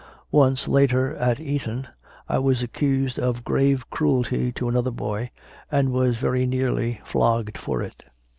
Once, later, at Eton, I was accused of grave cruelty to another boy and was very nearly flogged for it.